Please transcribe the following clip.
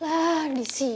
lah disini kan